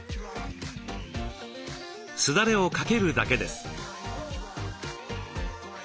すだれを掛けるだけです。